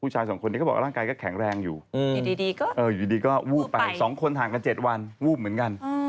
จงหันเรื่อง